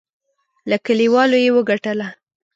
له کلیوالو یې وګټله.